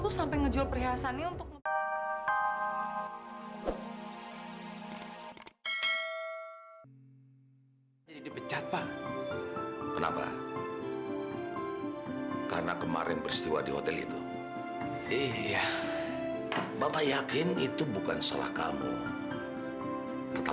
sampai jumpa di video selanjutnya